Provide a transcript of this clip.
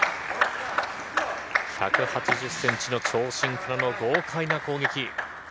１８０センチの長身からの豪快な攻撃。